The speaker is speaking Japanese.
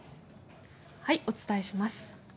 お伝えします。